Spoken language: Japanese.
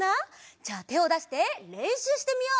じゃあてをだしてれんしゅうしてみよう。